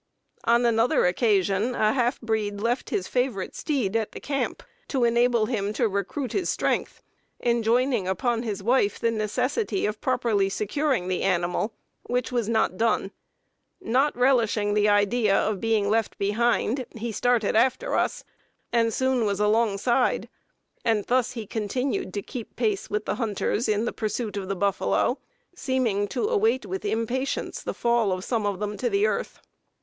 On another occasion a half breed left his favorite steed at the camp, to enable him to recruit his strength, enjoining upon his wife the necessity of properly securing the animal, which was not done. Not relishing the idea of being left behind, he started after us and soon was alongside, and thus he continued to keep pace with the hunters in their pursuit of the buffalo, seeming to await with impatience the fall of some of them to the earth.